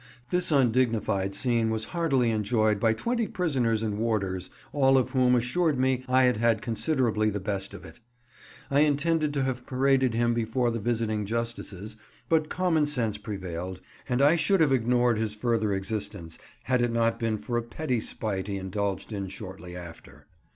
This undignified scene was heartily enjoyed by twenty prisoners and warders, all of whom assured me I had had considerably the best of it. I intended to have paraded him before the visiting Justices, but common sense prevailed, and I should have ignored his further existence had it not been for a petty spite he indulged in shortly after.